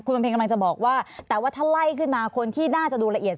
บำเพ็ญกำลังจะบอกว่าแต่ว่าถ้าไล่ขึ้นมาคนที่น่าจะดูละเอียด